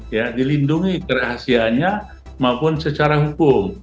ya dilindungi kerahasianya maupun secara hukum